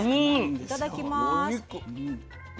いただきます。